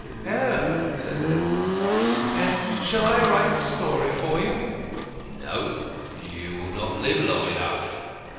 "Oh!" said Denzil, "and shall I write the story for you?" "No. You will not live long enough."